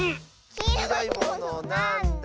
「きいろいものなんだ？」